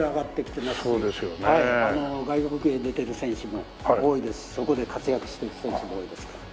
外国へ出てる選手も多いですしそこで活躍してる選手も多いですから。